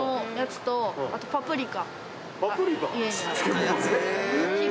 パプリカ。